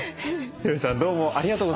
ヒロシさんどうもありがとうございました。